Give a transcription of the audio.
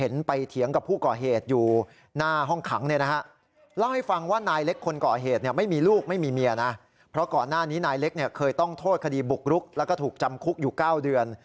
นี่นายเล็กเคยต้องโทษคดีบุกรุกแล้วก็ถูกจำคุกอยู่๙เดือน